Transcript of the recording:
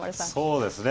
そうですね。